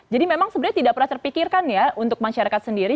jadi memang sebenarnya tidak pernah terpikirkan ya untuk masyarakat sendiri